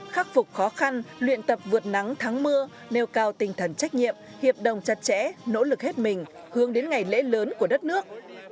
khắc phục khó khăn luyện tập vượt nắng thắng mưa nêu cao tinh thần trách nhiệm hiệp đồng chặt chẽ nỗ lực hết mình hướng đến ngày lễ lớn của đất nước